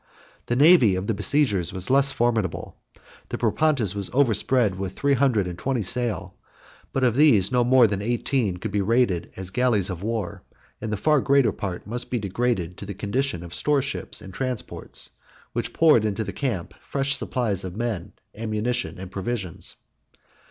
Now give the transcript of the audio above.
30 The navy of the besiegers was less formidable: the Propontis was overspread with three hundred and twenty sail; but of these no more than eighteen could be rated as galleys of war; and the far greater part must be degraded to the condition of store ships and transports, which poured into the camp fresh supplies of men, ammunition, and provisions.